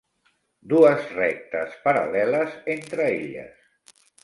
Dues rectes paral·leles entre elles.